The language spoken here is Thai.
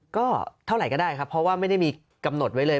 ก็เท่าไหร่ก็ได้ครับเพราะว่าไม่ได้มีกำหนดไว้เลย